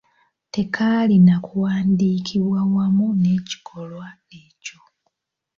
Tekaalina kuwandiikibwa wamu n'ekikolwa ekyo.